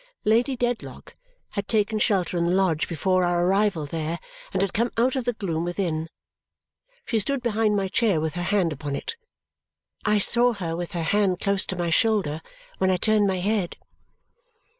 Lady Dedlock had taken shelter in the lodge before our arrival there and had come out of the gloom within. She stood behind my chair with her hand upon it. I saw her with her hand close to my shoulder when I turned my head.